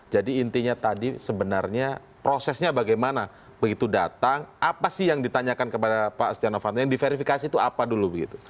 jadi intinya tadi sebenarnya prosesnya bagaimana begitu datang apa sih yang ditanyakan kepada pak setia novanto yang diverifikasi itu apa dulu begitu